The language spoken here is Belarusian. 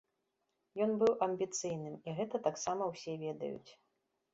Ён быў амбіцыйным, і гэта таксама ўсе ведаюць.